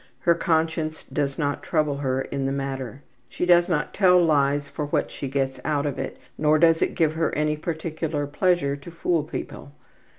Her conscience does not trouble her in the matter. She does not tell lies for what she gets out of it, nor does it give her any particular pleasure to fool people.